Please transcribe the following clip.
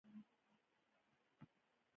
اوښان، تراکتورونه، خره او غوایي به یې الوزول.